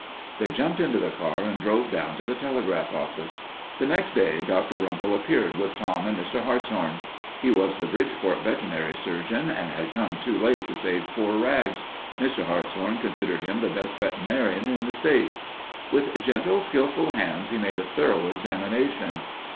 They jumped into the car and drove down to the telegraph office. The next day Dr. Runkle appeared with Tom and Mr. Hartshorn. He was the Bridgeport veterinary surgeon that had come too late to save poor Rags. Mr. Hartshorn considered him the best veterinarian in the state. With gentle, skilful hands he made a thorough examination.